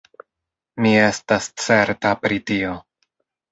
Mi estas certa pri tio.